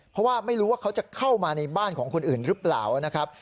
เพราะว่าไม่รู้ว่าเขาจะเข้ามาในบ้านของคนอื่นหรือเปล่านะครับ